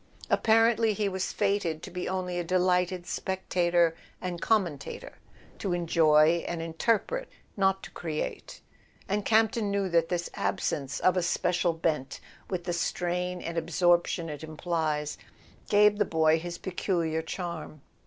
Apparently he was fated to be only a delighted spectator and commentator; to enjoy and interpret, not to create. And Campton knew that this absence of a special bent, with the strain and absorption it implies, gave the boy his peculiar charm.